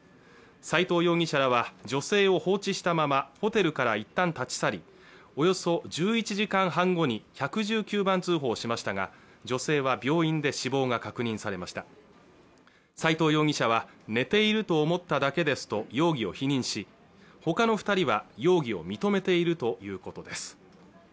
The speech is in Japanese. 斎藤容疑者らは女性を放置したままホテルからいったん立ち去りおよそ１１時間半後に１１９番通報しましたが女性は病院で死亡が確認されました斎藤容疑者は寝ていると思っただけですと容疑を否認しほかの二人は容疑を認めているということです